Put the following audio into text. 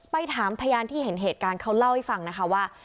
ถามพยานที่เห็นเหตุการณ์เขาเล่าให้ฟังนะคะว่า